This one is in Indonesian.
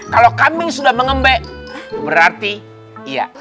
kalau kambing sudah mengembek berarti iya